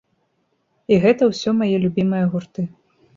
І гэта ўсё мае любімыя гурты.